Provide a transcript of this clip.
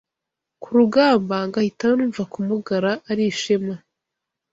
ku rugamba ngahita numva kumugara ari ishema